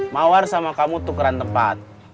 mawar sama kamu tukeran tempat